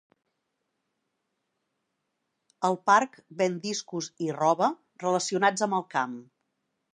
El parc ven discos i roba relacionats amb el camp.